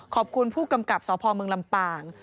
ขอบคุณผู้กำกับสพเมืองลำปาง